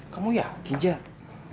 ya yakin jah